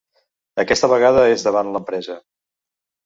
Aquesta vegada és davant l’empresa.